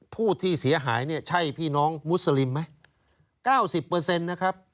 ผู้ที่เสียหายเนี่ยใช่พี่น้องมุสลิมไหม๙๐นะครับ